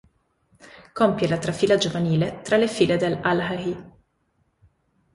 Compie la trafila giovanile tra le file dell'Al-Ahly.